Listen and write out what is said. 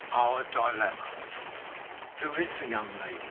OUR DILEMMA. WHO is the young lady?